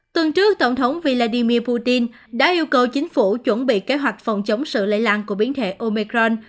tuần trước tổng thống vladimir putin đã yêu cầu chính phủ chuẩn bị kế hoạch phòng chống sự lây lan của biến thể omecron